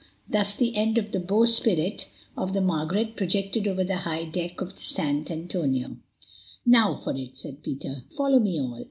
Thus the end of the bowsprit of the Margaret projected over the high deck of the San Antonio. "Now for it," said Peter. "Follow me, all."